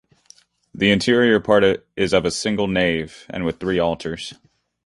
The interior part is of a single nave and with three altars.